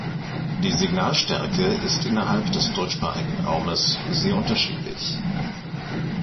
Die Signalstärke ist innerhalb des deutschsprachigen Raumes sehr unterschiedlich.